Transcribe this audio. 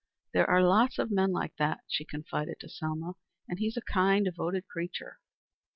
"There are lots of men like that," she confided to Selma, "and he's a kind, devoted creature."